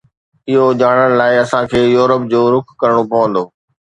اهو ڄاڻڻ لاءِ اسان کي يورپ جو رخ ڪرڻو پوندو